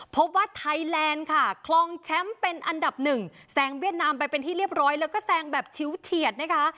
พบว่าไทยแลนด์ค่ะคลองแชมป์เป็นอันดับหนึ่งแซงเวียดนามไปเป็นที่เรียบร้อยแล้วก็แซงแบบชิวเฉียดนะคะ